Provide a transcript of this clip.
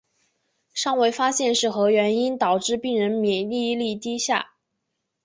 尚未发现是何原因导致病人免疫力低下。